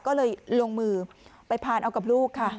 ก็เลยลงมือไปผ่านเอากับลูกค่ะ